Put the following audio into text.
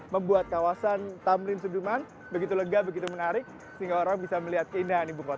membuat kawasan tamrin sudiman begitu lega begitu menarik sehingga orang bisa melihat keindahan ibu kota